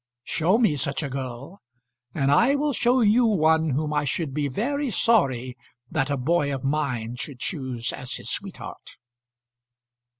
Show me such a girl, and I will show you one whom I should be very sorry that a boy of mine should choose as his sweetheart.